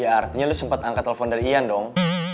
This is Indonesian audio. ya artinya lo sempet angkat handphone dari ian dong